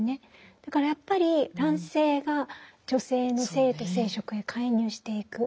だからやっぱり男性が女性の性と生殖へ介入していく。